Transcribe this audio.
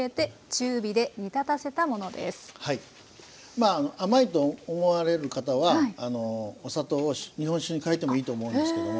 まああの甘いと思われる方はお砂糖を日本酒に替えてもいいと思うんですけども。